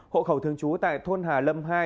hộ khẩu thường trú tại thôn hà lâm hai